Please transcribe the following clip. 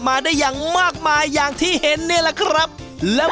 แม่แม่พาเราไปลุยดงสมุนไพรบ้านดงบัง